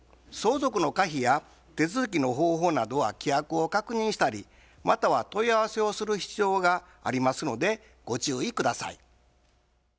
相続の可否や手続きの方法などは規約を確認したりまたは問い合わせをする必要がありますのでご注意下さい。